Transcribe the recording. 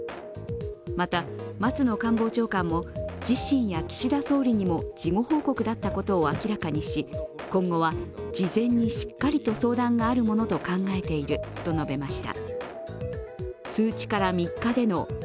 また松野官房長官も自身や岸田総理にも事後報告だったことを明らかにし、今後は、事前にしっかりと相談があるものと考えていると述べました。